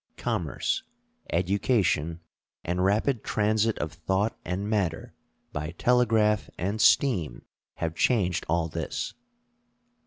Commerce, education, and rapid transit of thought and matter by telegraph and steam have changed all this.